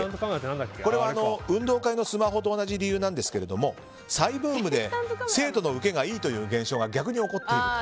これは運動会のスマホと同じ理由なんですが再ブームで生徒のウケがいいという現象が逆に起こっていると。